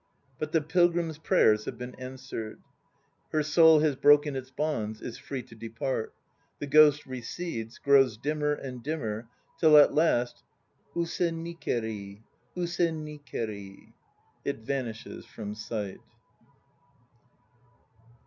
But the Pilgrim's prayers have been answered. Her soul has broken its bonds: is free to depart. The ghost recedes, grows dimmer and dimmer, till at last use ni keri use ni keri it vanishes from sight.